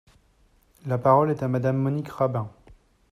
La parole est à Madame Monique Rabin.